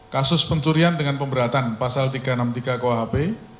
kasus pencurian dengan pemberatan pasal tiga ratus enam puluh tiga kuhp